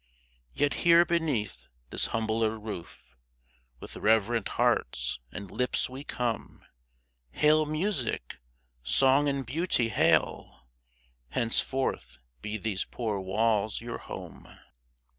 Yet here beneath this humbler roof With reverent hearts and lips we come ; Hail, music ! Song and Beauty, hail ! Henceforth be these poor walls your home.